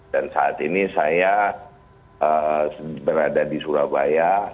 dan saat ini saya berada di surabaya